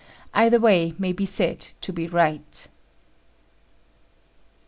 Either way may be said to be right.